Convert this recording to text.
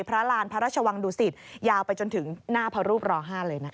พระราณพระราชวังดุสิตยาวไปจนถึงหน้าภรูปร๕เลยนะครับ